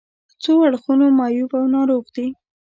له څو اړخونو معیوب او ناروغ دي.